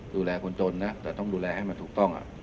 ดูแลคนจนนะแต่ต้องดูแลให้มันถูกต้อง